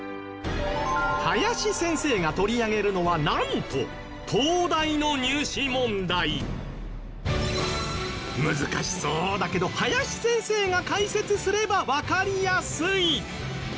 林先生が取り上げるのはなんと難しそうだけど林先生が解説すればわかりやすい！